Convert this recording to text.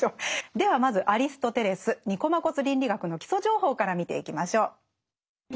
ではまずアリストテレス「ニコマコス倫理学」の基礎情報から見ていきましょう。